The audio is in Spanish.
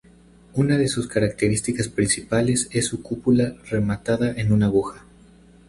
Una de sus características principales es su cúpula rematada en una aguja.